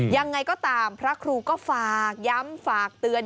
ยังไงก็ตามพระครูก็ฝากย้ำฝากเตือน